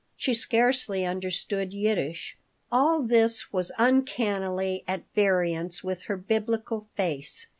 She scarcely understood Yiddish. All this was uncannily at variance with her Biblical face.